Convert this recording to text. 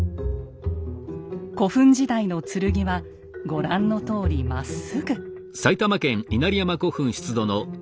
古墳時代の剣はご覧のとおりまっすぐ。